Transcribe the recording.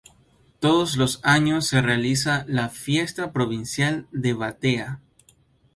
Todos los años se realiza la "Fiesta Provincial de la Batea".